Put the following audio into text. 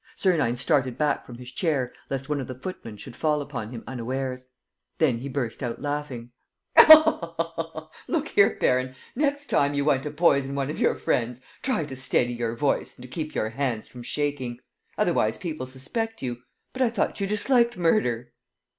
Sernine started back from his chair, lest one of the footmen should fall upon him unawares. Then he burst out laughing: "Look here, baron, next time you want to poison one of your friends, try to steady your voice and to keep your hands from shaking. ... Otherwise, people suspect you. ... But I thought you disliked murder?"